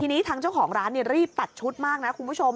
ทีนี้ทางเจ้าของร้านรีบตัดชุดมากนะคุณผู้ชม